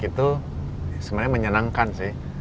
itu sebenarnya menyenangkan sih